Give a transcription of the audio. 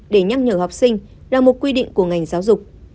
để nhắc nhở học sinh là một quy định của ngành giáo dục